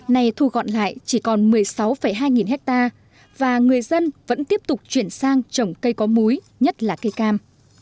này thu gọn lại chỉ còn một mươi sáu hai nghìn hectare và người dân vẫn tiếp tục chuyển sang trồng cây có múi nhất là cây cam